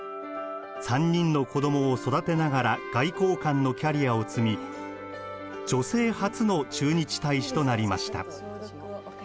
３人の子どもを育てながら外交官のキャリアを積み女性初の駐日大使となりました。